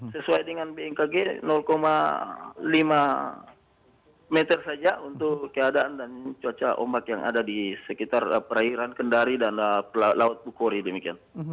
sesuai dengan bmkg lima meter saja untuk keadaan dan cuaca ombak yang ada di sekitar perairan kendari dan laut bukori demikian